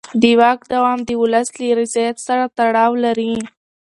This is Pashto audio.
د واک دوام د ولس له رضایت سره تړاو لري